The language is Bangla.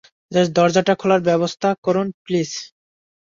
জাস্ট দরজাটা খোলার ব্যাবস্থা করুন প্লিজ?